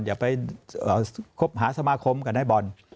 อย่าไปคบหาสมาคมกับนายบอล